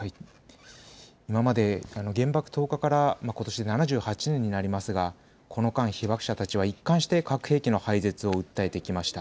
今まで原爆投下からことしで７８年になりますがこの間、被爆者たちは一貫して核兵器の廃絶を訴えてきました。